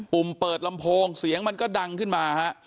ุ่มเปิดลำโพงเสียงมันก็ดังขึ้นมาฮะ